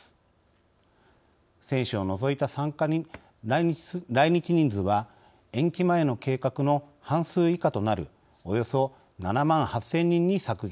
選手を除いた来日人数は延期前の計画の半数以下となるおよそ７万８，０００人に削減しました。